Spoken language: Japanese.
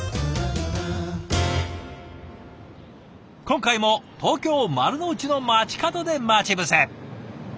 今回も東京・丸の内の街角で待ち伏せ。